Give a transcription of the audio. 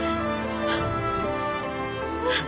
あっ。